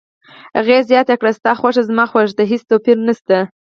هغې زیاته کړه: ستا خوښه زما خوښه ده، هیڅ توپیر نشته.